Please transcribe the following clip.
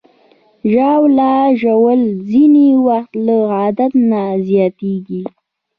ژاوله ژوول ځینې وخت له عادت نه زیاتېږي.